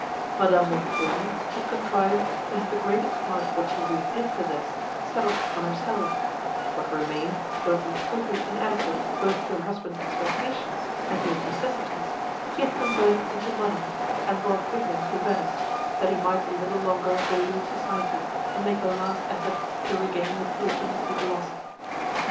Madame Montoni had contrived to have the greatest part of what she really did possess, settled upon herself: what remained, though it was totally inadequate both to her husband's expectations, and to his necessities, he had converted into money, and brought with him to Venice, that he might a little longer delude society, and make a last effort to regain the fortunes he had lost.